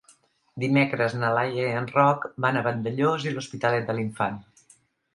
Dimecres na Laia i en Roc van a Vandellòs i l'Hospitalet de l'Infant.